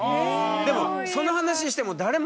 でもその話しても誰も。